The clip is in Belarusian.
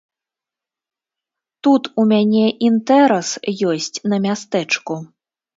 Тут у мяне інтэрас ёсць на мястэчку.